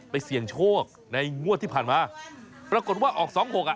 เสี่ยงโชคในงวดที่ผ่านมาปรากฏว่าออกสองหกอ่ะ